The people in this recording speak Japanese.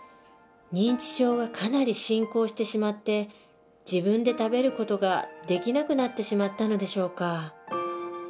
認知症がかなり進行してしまって自分で食べる事ができなくなってしまったのでしょうか